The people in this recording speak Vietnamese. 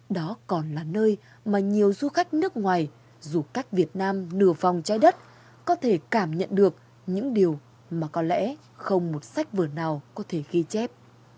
đó còn là nơi mà nhiều du khách nước ngoài dù cách việt nam nửa vòng trái đất có thể cảm nhận được những điều mà có lẽ không một sách vở nào có thể ghi chép